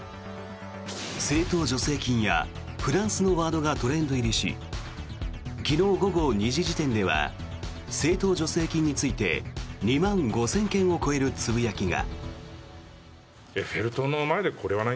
政党助成金やフランスのワードがトレンド入りし昨日午後２時時点では政党助成金について２万５０００件を超えるつぶやきが。